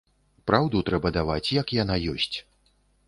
Праўду трэба даваць, як яна ёсць.